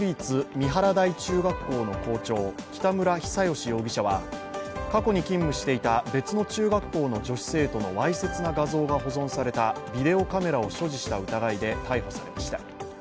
三原台中学校の校長北村比左嘉容疑者は過去に勤務していた別の中学校の女子生徒のわいせつな画像が保存されたビデオカメラを所持した疑いで逮捕されました